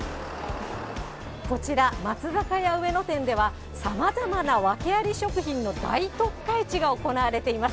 こちら、松坂屋上野店では、さまざまな訳あり食品の大特価市が行われています。